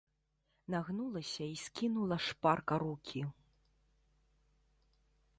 Нагнулася і скінула шпарка рукі.